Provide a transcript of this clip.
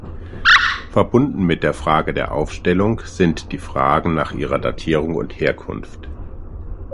Verbunden mit der Frage der Aufstellung sind die Fragen nach ihrer Datierung und Herkunft.